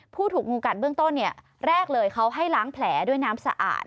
ถูกงูกัดเบื้องต้นแรกเลยเขาให้ล้างแผลด้วยน้ำสะอาด